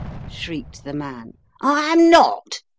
shrieked the man. "I am not.